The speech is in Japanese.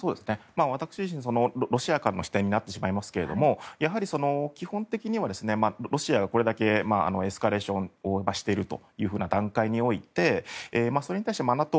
私自身、ロシアからの視点になってしまいますがやはり基本的にはロシアがこれだけエスカレーションしている団体においてそれに対してＮＡＴＯ